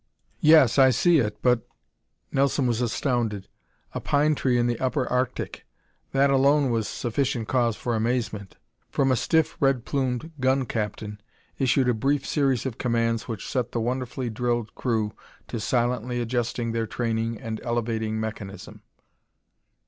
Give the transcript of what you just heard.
"Yes, I see it, but " Nelson was astounded. A pine tree in the upper Arctic! That alone was sufficient cause for amazement. From a stiff red plumed gun captain issued a brief series of commands which set the wonderfully drilled crew to silently adjusting their training and elevating mechanism.